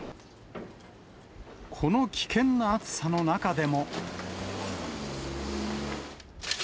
この危険な暑さの中でも。